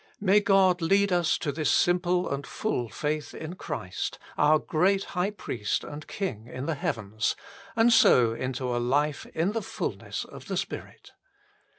May God lead us to this simple and full faith in Christ, our great High Priest and King in the heavens, and so into a life in the fulness of the Spirit.